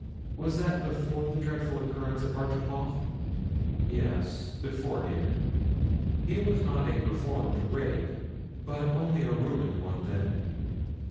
'Was that before the dreadful occurrence at Bartram Haugh?' 'Yes before, dear. He was not a reformed rake, but only a ruined one then.